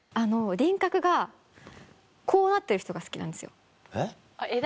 輪郭がこうなってる人が好きなんですよ。